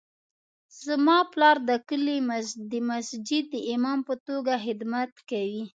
زما پلار د کلي د مسجد د امام په توګه خدمت کوي